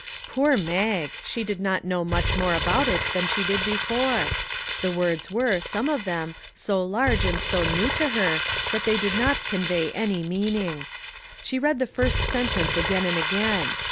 Poor Mag! she did not know much more about it than she had before. The words were, some of them, so large and so new to her that they did not convey any meaning. She read the first sentence again and again.